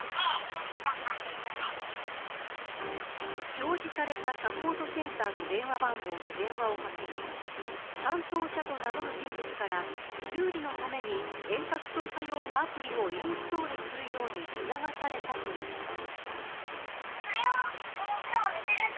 表示されたサポートセンターの電話番号に電話をかけると担当者と名乗る人物から修理のために遠隔操作用のアプリをインストールするように促されたといいます。